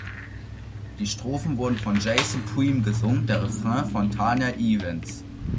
Die Strophen werden von Jay Supreme gesungen, der Refrain von Tania Evans.